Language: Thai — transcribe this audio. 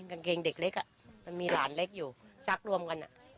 กางเกงเด็กเล็กมันมีหลานเล็กอยู่ซักรวมกัน